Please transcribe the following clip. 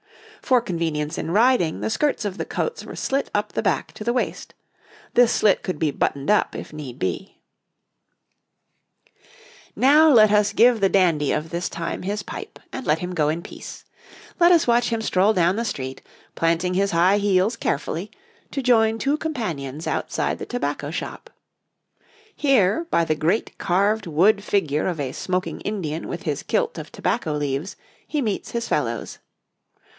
For convenience in riding, the skirts of the coats were slit up the back to the waist; this slit could be buttoned up if need be. [Illustration: {A man of the time of William and Mary; a shoe}] Now, let us give the dandy of this time his pipe, and let him go in peace. Let us watch him stroll down the street, planting his high heels carefully, to join two companions outside the tobacco shop. Here, by the great carved wood figure of a smoking Indian with his kilt of tobacco leaves, he meets his fellows.